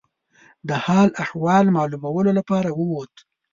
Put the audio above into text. د حال احوال معلومولو لپاره ووت.